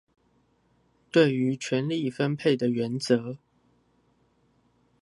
對於權力分配的原則